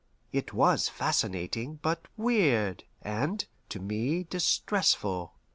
It was fascinating, but weird, and, to me, distressful.